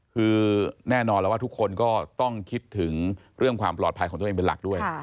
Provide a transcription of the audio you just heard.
คือแน่นอนแล้วว่าทุกคนก็ต้องคิดถึงเรื่องความปลอดภัยของตัวเองเป็นหลักด้วย